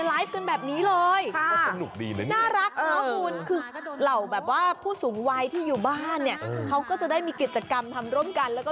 ถ้าใจเราวัยรุ่นอายุก็ไม่สำคัญ